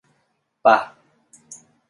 ป่ะ?